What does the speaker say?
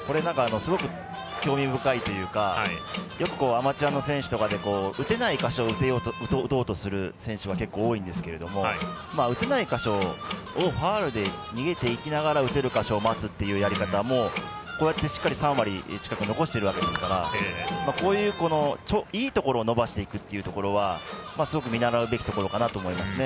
すごく興味深いというかよくアマチュアの選手とかで打てない箇所を打とうとする選手が結構、多いんですけど打てない箇所をファウルで逃げていきながら打てる箇所を待つというやり方もしっかり３割近くまで残していますからこういう、いいところを伸ばしていくというところはすごく見習うべきところかなと思いますね。